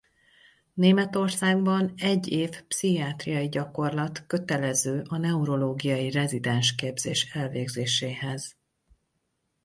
Németországban egy év pszichiátriai gyakorlat kötelező a neurológiai rezidens képzés elvégzéséhez.